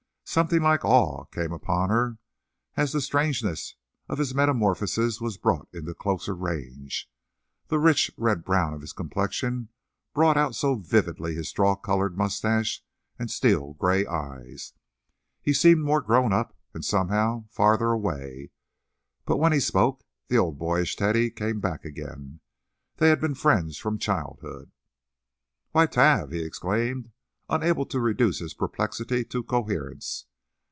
Something like awe came upon her as the strangeness of his metamorphosis was brought into closer range; the rich, red brown of his complexion brought out so vividly his straw coloured mustache and steel gray eyes. He seemed more grown up, and, somehow, farther away. But, when he spoke, the old, boyish Teddy came back again. They had been friends from childhood. "Why, 'Tave!" he exclaimed, unable to reduce his perplexity to coherence.